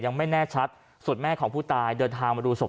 ยังไม่แน่ชัดส่วนแม่ของผู้ตายเดินทางมาดูศพ